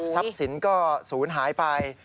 ทรัพย์สินก็ศูนย์หายไป